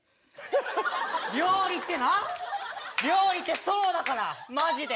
料理ってな、料理ってそうだから、マジで。